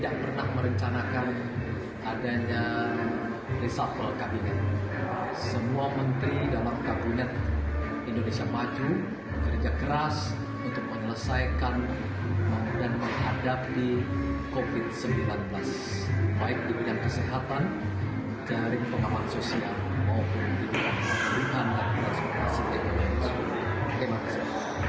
kesehatan keringkapan sosial maupun di bidang kemampuan dan kemasyukuran seperti tersebut